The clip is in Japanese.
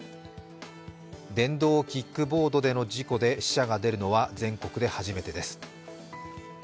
電動キックボードの事故で死者が出るのは全国で初めてです。